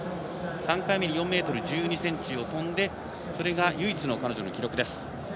３回目に４ｍ１２ｃｍを跳んでそれが唯一の彼女の記録です。